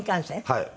はい。